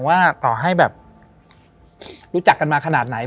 ว่าต่อให้แบบรู้จักกันมาขนาดไหน